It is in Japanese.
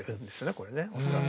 これね恐らく。